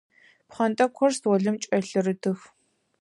Пхъэнтӏэкӏухэр столым кӏэлъырытых.